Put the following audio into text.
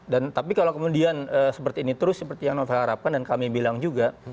dan tapi kalau kemudian seperti ini terus seperti yang saya harapkan dan kami bilang juga